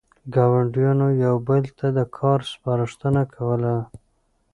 ګاونډیانو یو بل ته د کار سپارښتنه کوله.